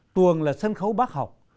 tuồng là sân khấu bác học